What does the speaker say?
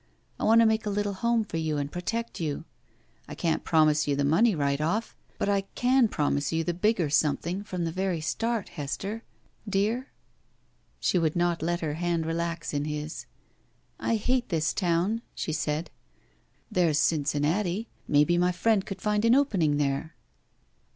I want to make a little home for you and protect you. I can't promise you the money — 64 Hi ti ll' n Hi BACK PAY right oflF, but I can promise you the bigger some thing from the very start, Hester. Dear?" She would not let her hand relax to his. I hate this town," she said. There's Cincinnati. Maybe my friend could find an opening there."